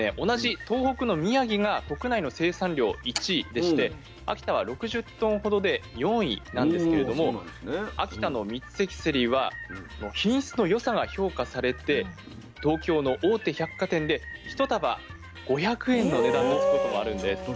同じ東北の宮城が国内の生産量１位でして秋田は６０トンほどで４位なんですけれども秋田の三関せりは品質の良さが評価されて東京の大手百貨店で１束５００円の値段もつくことあるんです。